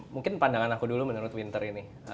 mungkin pandangan aku dulu menurut winter ini